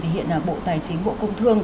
thì hiện bộ tài chính bộ công thương